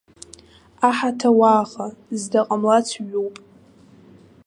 Аҳаҭа уааха, зда ҟамлац ҩуп.